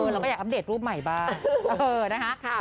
เราก็อยากแอปเดทรูปใหม่บ้าง